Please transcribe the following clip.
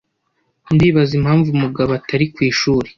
Ndibaza impamvu Mugabo atari ku ishuri